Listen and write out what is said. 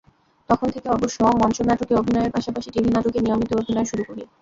তখন থেকে অবশ্য মঞ্চনাটকে অভিনয়ের পাশাপাশি টিভি নাটকে নিয়মিত অভিনয় শুরু করি।